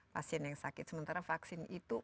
pasien yang sakit sementara vaksin itu